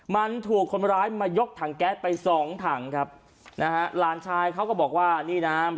มันถูกคนร้ายมายกถังแก๊สไปสองถังครับนะฮะหลานชายเขาก็บอกว่านี่นะ